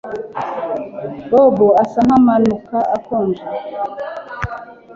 Bobo asa nkamanuka akonje